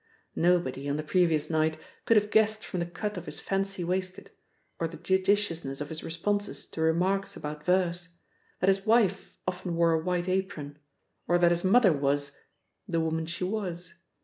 Nobody, on the previous night, could have guessed from the cut of his fancy waistcoat, or the judiciousness of his responses to remarks about verse, that his wife often wore a white apron, or that his mother was the woman she was!